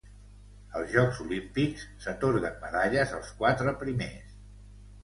Als Jocs Olímpics s'atorguen medalles als quatre primers.